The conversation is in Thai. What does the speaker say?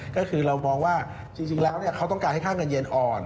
ก็คือเรามองว่าจริงแล้วเขาต้องการให้ค่าเงินเย็นอ่อน